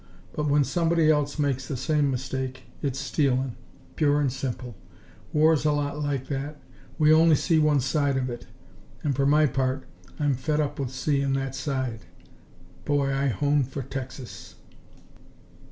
But when somebody else makes the same mistake, it's stealin' pure and simple. War's a lot like that. We only see one side of it, and for my part, I'm fed up with seein' that side. Boy, I hone for Texas."